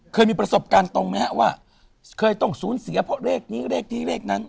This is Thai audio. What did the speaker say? เคยมีประสบการณ์ตรงไหมฮะว่าเคยต้องสูญเสียเพราะเลขนี้เลขนี้เลขนั้น